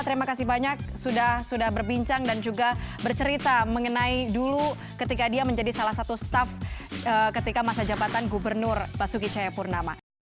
terima kasih banyak sudah berbincang dan juga bercerita mengenai dulu ketika dia menjadi salah satu staff ketika masa jabatan gubernur basuki cahayapurnama